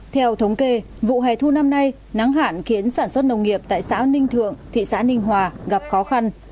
theo thống kê vụ hè thu năm nay nắng hạn khiến sản xuất nông nghiệp tại xã ninh thượng thị xã ninh hòa gặp khó khăn